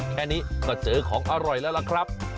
แค่นี้ก็เจอของอร่อยแล้วล่ะครับ